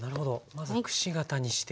まずくし形にして。